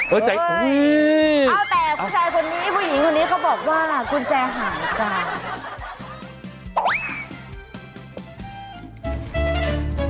เอ้าแต่ผู้หญิงคนนี้เค้าบอกว่ากุญแจหายจาก